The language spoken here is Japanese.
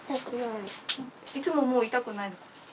いつももう痛くないの？